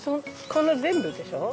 この全部でしょう？